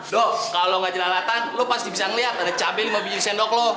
dok kalo lo gak jelalatan lo pasti bisa ngeliat ada cabe lima biji sendok lo